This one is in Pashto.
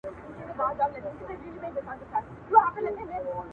او نه د مستعمره